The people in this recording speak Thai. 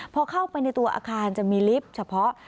พอเข้าไปในตัวอาคารจะมีลิฟต์เฉพาะ